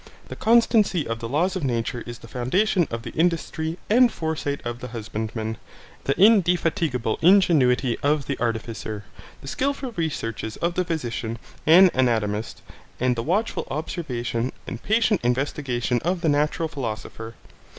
The constancy of the laws of nature is the foundation of the industry and foresight of the husbandman, the indefatigable ingenuity of the artificer, the skilful researches of the physician and anatomist, and the watchful observation and patient investigation of the natural philosopher.